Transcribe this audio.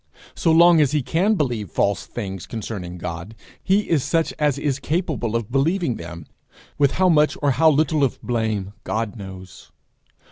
So long as he can believe false things concerning God, he is such as is capable of believing them with how much or how little of blame, God knows.